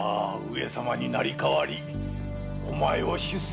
様に成り代わりお前を出世させてやる。